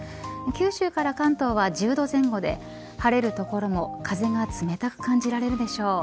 九州から関東は１０度前後で晴れる所も風が冷たく感じられるでしょう。